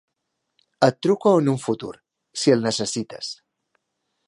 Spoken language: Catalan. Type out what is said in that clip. Et truco en un futur, si el necessites.